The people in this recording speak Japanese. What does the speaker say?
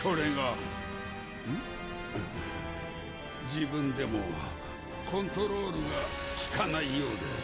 自分でもコントロールが利かないようで。